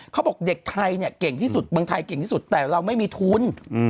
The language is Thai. เขาบอกเด็กไทยเนี่ยเก่งที่สุดเมืองไทยเก่งที่สุดแต่เราไม่มีทุน